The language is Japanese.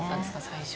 最初。